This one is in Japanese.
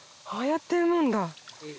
やって産むんだ。